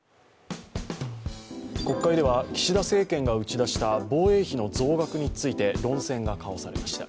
国会では岸田政権が打ち出した防衛費の増額について論戦が交わされました。